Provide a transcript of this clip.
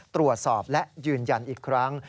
ตรวจสอบและยืนยันอีกครั้ง